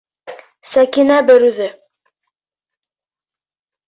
Сәкинә бер үҙе.